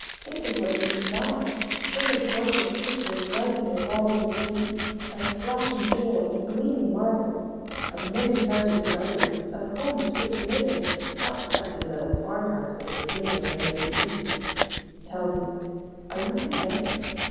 Think of what it can buy. Think of gorgeous pictures lighting your walls with beauty, of flashing jewels and gleaming marbles, of many fountained gardens, of homes fit to live in, not stuffy little farm houses, with windows under the eaves. Tell me, are you content?